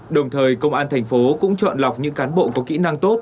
đồng thời công an thành phố cũng chọn lọc những cán bộ có kỹ năng tốt